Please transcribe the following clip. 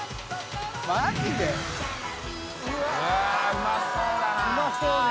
うまそうね。